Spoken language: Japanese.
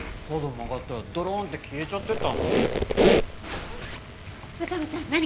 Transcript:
角曲がったらドロンって消えちゃってたんだもん。